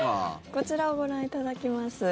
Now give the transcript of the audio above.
こちらをご覧いただきます。